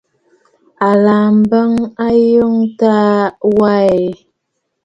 À laà m̀bə Ayɔꞌɔ̀ taa wa aa ɛ?